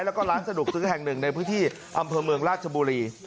แล้วก็ร้านสะดวกซื้อแห่งหนึ่งในพื้นที่อำเภอเมืองราชบุรี